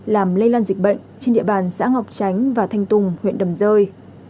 làm lây lan dịch bệnh trên địa bàn xã ngọc tránh và thanh tùng huyện đầm rơi